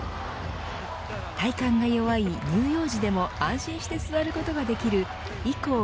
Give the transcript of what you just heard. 体幹が弱い乳幼児でも安心して座ることができるＩＫＯＵ